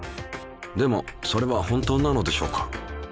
でもそれは本当なのでしょうか。